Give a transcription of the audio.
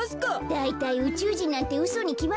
だいたいうちゅうじんなんてうそにきまってんだよ。